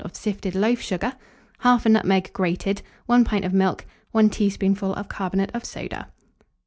of sifted loaf sugar, 1/2 nutmeg grated, 1 pint of milk, 1 teaspoonful of carbonate of soda.